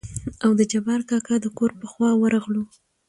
او د جبار کاکا دکور په خوا ورغلو.